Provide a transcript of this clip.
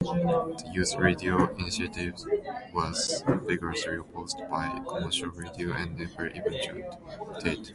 The youth radio initiative was vigorously opposed by commercial radio and never eventuated.